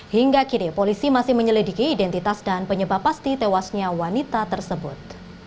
hingga kini polisi masih menyelidiki identitas dan penyebab pasti tewasnya wanita tersebut